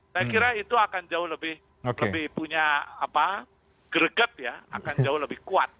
saya kira itu akan jauh lebih punya greget ya akan jauh lebih kuat